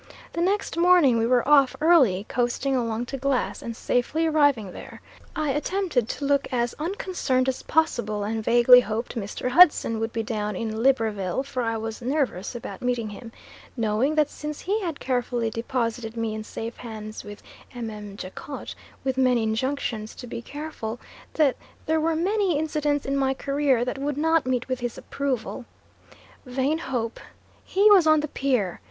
The next morning we were off early, coasting along to Glass, and safely arriving there, I attempted to look as unconcerned as possible, and vaguely hoped Mr. Hudson would be down in Libreville; for I was nervous about meeting him, knowing that since he had carefully deposited me in safe hands with Mme. Jacot, with many injunctions to be careful, that there were many incidents in my career that would not meet with his approval. Vain hope! he was on the pier!